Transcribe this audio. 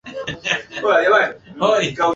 ku kuona rais wetu anakamata mpango kama hii